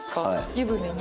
湯船に？